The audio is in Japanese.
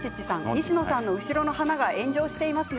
西野さんの後ろの花が炎上していますね。